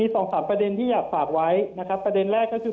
สองสามประเด็นที่อยากฝากไว้นะครับประเด็นแรกก็คือ